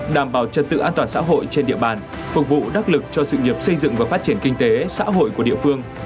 đảm bảo trật tự an toàn xã hội trên địa bàn phục vụ đắc lực cho sự nghiệp xây dựng và phát triển kinh tế xã hội của địa phương